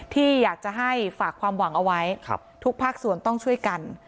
ที่อยากจะให้ฝากความหวังเอาไว้ทุกภาคส่วนต้องช่วยกัน